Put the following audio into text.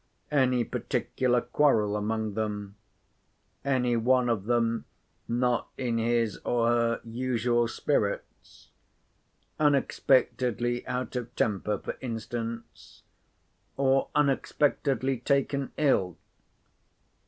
Any particular quarrel among them? Anyone of them not in his or her usual spirits? Unexpectedly out of temper, for instance? or unexpectedly taken ill?"